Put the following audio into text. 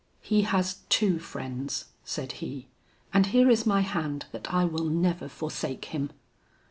"He has two friends," said he, "and here is my hand that I will never forsake him."